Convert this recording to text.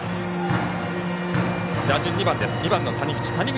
打順２番の谷口。